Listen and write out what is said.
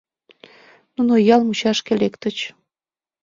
Нуно ял мучашке лектыч.